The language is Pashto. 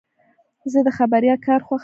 زه د خبریال کار خوښوم.